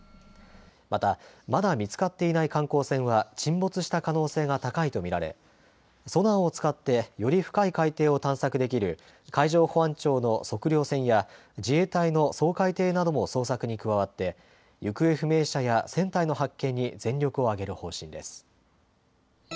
また、まだ見つかっていない観光船は、沈没した可能性が高いと見られ、ソナーを使ってより深い海底を探索できる海上保安庁の測量船や、自衛隊の掃海艇なども捜索に加わって、行方不明者や船体の発見に全力を挙げる方針です。